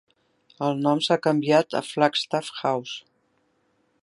El nom s'ha canviat a Flagstaff House.